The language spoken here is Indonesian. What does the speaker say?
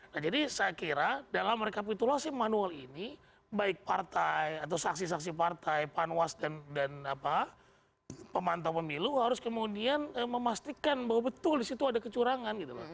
nah jadi saya kira dalam rekapitulasi manual ini baik partai atau saksi saksi partai panwas dan pemantau pemilu harus kemudian memastikan bahwa betul disitu ada kecurangan gitu loh